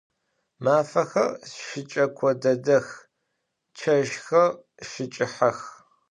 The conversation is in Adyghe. Mafexer şıç'eko dedex, çeşxer şıç'ıhex.